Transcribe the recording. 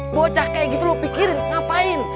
bocah kayak gitu lo pikirin ngapain